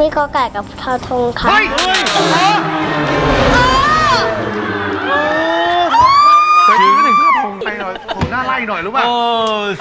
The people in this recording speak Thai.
มีกอไก่กับทาทงครับ